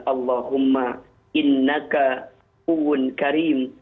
allahumma innaka uun karim